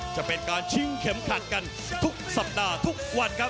จะเป็นการชิงเข็มขัดกันทุกสัปดาห์ทุกวันครับ